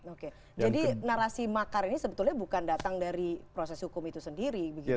oke jadi narasi makar ini sebetulnya bukan datang dari proses hukum itu sendiri